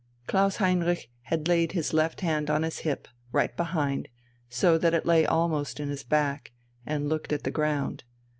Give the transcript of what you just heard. Klaus Heinrich had laid his left hand on his hip, right behind, so that it lay almost in his back, and looked at the ground.